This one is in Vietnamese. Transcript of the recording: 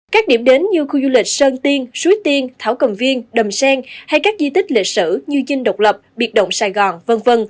các điểm đến như khu du lịch sơn tiên suối tiên thảo cầm viên đầm sen hay các di tích lịch sử như dinh độc lập biệt động sài gòn v v